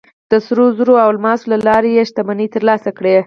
د سرو زرو او الماسو له لارې یې شتمنۍ ترلاسه کړې.